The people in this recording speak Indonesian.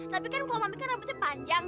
tapi kan kalau mami kan rambutnya panjang